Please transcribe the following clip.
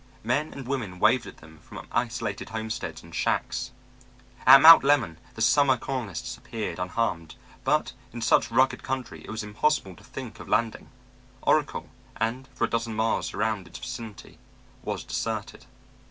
Men and women waved at them from isolated homesteads and shacks. At Mount Lemmon the summer colonists appeared unharmed, but in such rugged country it was impossible to think of landing. Oracle, and for a dozen miles around its vicinity, was deserted.